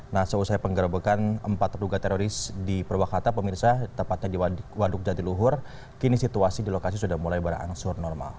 nah seusai penggerebekan empat terduga teroris di purwakarta pemirsa tepatnya di waduk jatiluhur kini situasi di lokasi sudah mulai berangsur normal